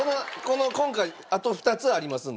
今回あと２つありますんでね。